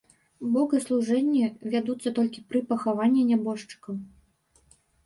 Богаслужэнні вядуцца толькі пры пахаванні нябожчыкаў.